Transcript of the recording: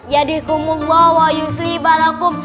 yadikumullah wa yusli barakum